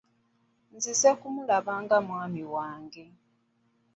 Nzize kumulaba nga mwami wange.